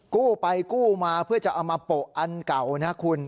กู้ไปกู้มาเพื่อจะเอามาโปะอันเก่านะคุณ